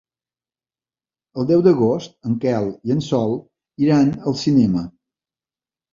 El deu d'agost en Quel i en Sol iran al cinema.